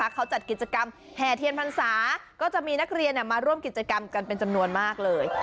เขาจัดกิจกรรมแห่เทียนพรรษาก็จะมีนักเรียนมาร่วมกิจกรรมกันเป็นจำนวนมากเลย